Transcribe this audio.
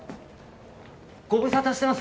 ご無沙汰してます。